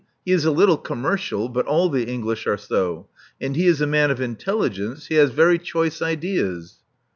He is a little com mercial; but all the English are so. And he is a man of intelligence. He has very choice ideas."